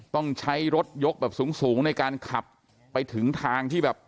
ต้องใช้รถยกแบบสูงในการขับไปถึงทางที่แบบ